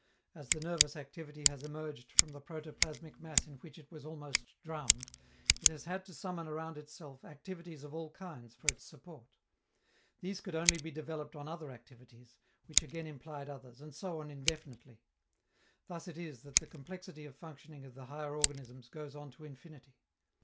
As the nervous activity has emerged from the protoplasmic mass in which it was almost drowned, it has had to summon around itself activities of all kinds for its support. These could only be developed on other activities, which again implied others, and so on indefinitely. Thus it is that the complexity of functioning of the higher organisms goes on to infinity.